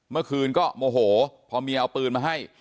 เมื่อคืนก็โมโหพอเมียเอาปืนมาให้